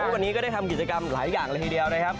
วันนี้ก็ได้ทำกิจกรรมหลายอย่างละครับ